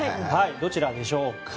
どちらでしょうか。